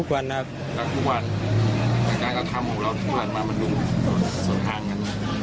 รักทุกวันแต่การกระทำของเราทุกวันมามันดูสนทางกันนะ